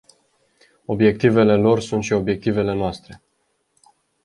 Obiectivele lor sunt și obiectivele noastre.